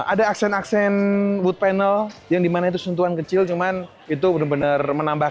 ada aksen aksen wood panel yang dimana itu sentuhan kecil cuman itu bener bener menambah